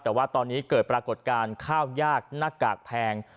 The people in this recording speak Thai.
แต่ว่าตอนนี้เกิดปรากฏการณ์ข้าวยากหน้ากากแพง